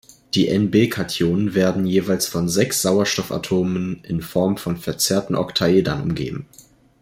Die Nb-Kationen werden jeweils von sechs Sauerstoffatomen in Form von verzerrten Oktaedern umgeben.